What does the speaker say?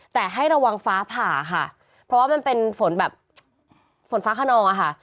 แต่ให้ระวังฟ้าผ่าค่ะเพราะว่ามันเป็นฝนแบบฝนฟ้าขนองอะค่ะ